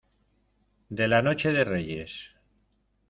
de la noche de Reyes.